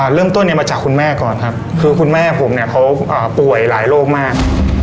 เริ่มต้นเนี่ยมาจากคุณแม่ก่อนครับคือคุณแม่ผมเนี่ยเขาป่วยหลายโรคมาก